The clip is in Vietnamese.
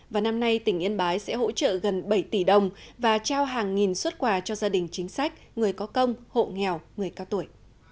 và năm nay tỉnh yên bái sẽ hỗ trợ gần bảy tỷ đồng và trao hàng nghìn xuất quà cho gia đình chính sách người có công hộ nghèo người cao tuổi